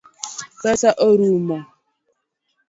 Pesa orumo.